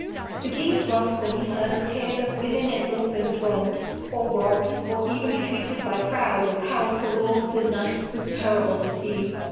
The king's wrath when he heard a tale of women and orphans wronged or robbed or evilly treated by proud or powerful lords and knights, was terrible to see.